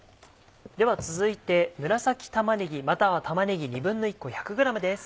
では続いて紫玉ねぎまたは玉ねぎ１／２個１００ｇです。